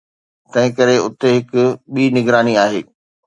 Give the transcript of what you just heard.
تنهنڪري اتي هڪ ٻي نگراني آهي